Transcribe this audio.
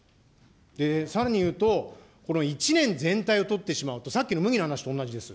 さらに言うと、この１年全体をとってしまうと、さっきの麦の話と同じですよ。